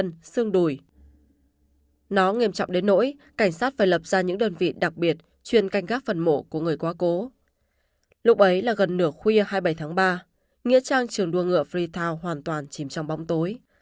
ngửa khuya hai mươi bảy tháng ba nghĩa trang trường đua ngựa freetown hoàn toàn chìm trong bóng tối